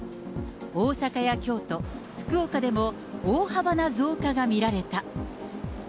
大阪や京都、福岡でも大幅な増加が見られた。